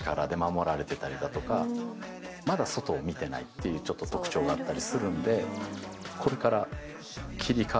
ていうちょっと特徴があったりするんで。